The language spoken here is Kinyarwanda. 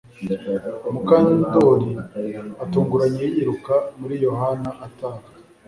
Mukandoli atunguranye yiruka muri Yohana ataha